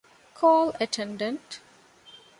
ކޯލް އެޓެންޑެންޓް